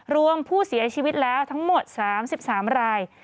รวมผู้เสียชีวิตแล้วทั้งหมด๓๓ราย